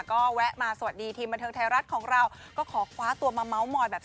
ก็แวะมาสวัสดีทีมบันเทิงไทยรัฐของเราก็ขอคว้าตัวมาเมาส์มอยแบบ